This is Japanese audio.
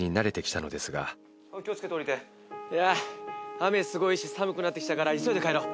雨すごいし寒くなってきたから急いで帰ろう。